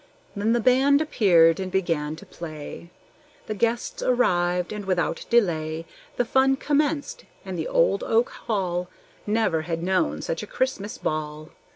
Then the band appeared, and began to play; The guests arrived, and without delay The fun commenced, and the old oak hall Never had known such a Christmas ball!